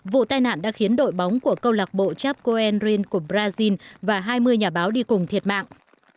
vụ tai nạn đã khiến đội bóng của câu lạc bộ chafcoen rin của brazil và hai mươi nhà báo đi cùng thiệt mạng